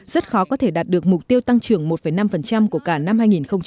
rất khó có thể đạt được mục tiêu tăng trưởng một năm của cả năm hai nghìn hai mươi